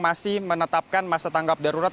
masih menetapkan masa tanggap darurat